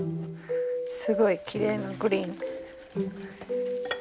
すごいきれいなグリーン。